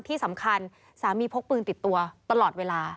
ที่สำคัญสามีพกปืนติดตัวตลอดเวลา